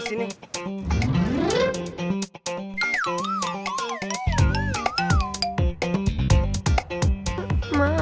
tidak ada apa apaan